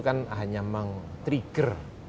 kan hanya meng trigger